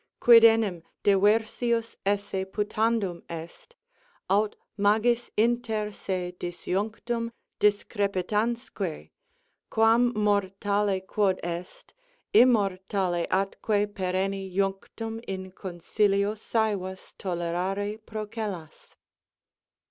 Quid enim diversius esse putandum est, Aut magis inter se disjunctum discrepitansque, Quam, mortale quod est, immortali atque perenni Junctum, in concilio, sævas tolerare procellas?